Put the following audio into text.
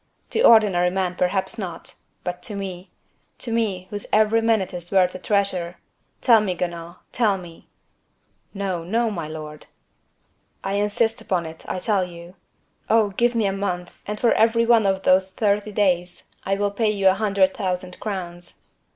"To ordinary men, perhaps not;—but to me—to me, whose every minute is worth a treasure. Tell me, Guenaud, tell me!" "No, no, my lord." "I insist upon it, I tell you. Oh! give me a month, and for every one of those thirty days I will pay you a hundred thousand crowns."